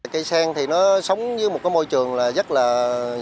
cây sen thì nó sống dưới một môi trường rất lợi